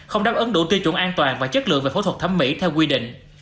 không đáp ứng đủ tiêu chuẩn an toàn và chất lượng về phẫu thuật thẩm mỹ theo quy định